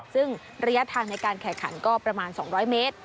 ซึ่งระยะทางในการแข่งขันก็ประมาณ๒๐๐เมตร